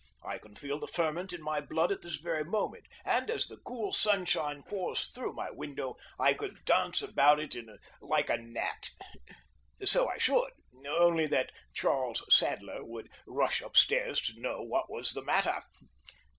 I can feel the ferment in my blood at this very moment, and as the cool sunshine pours through my window I could dance about in it like a gnat. So I should, only that Charles Sadler would rush upstairs to know what was the matter.